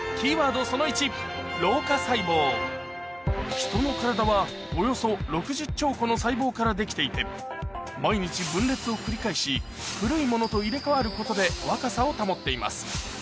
人の体はからできていて毎日分裂を繰り返し古いものと入れ替わることで若さを保っています